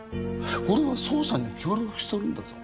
俺は捜査に協力しとるんだぞ？